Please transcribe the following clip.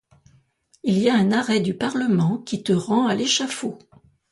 Il y a un arrêt du parlement qui te rend à l'échafaud.